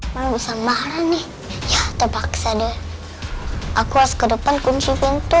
mau sembarang nih terpaksa deh aku harus ke depan kunci pintu